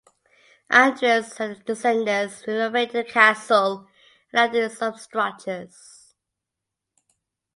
Andreas and his descendants renovated the castle and added some structures.